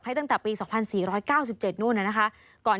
ให้ตั้งแต่ปีสองพันสี่ร้อยเก้าสิบเจ็ดนู่นน่ะนะคะก่อน